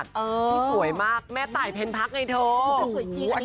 ที่สวยมากแม่ตายเพ็ญพักไงเธอ